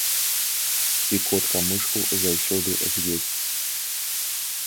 І котка мышку заўсёды з'есць.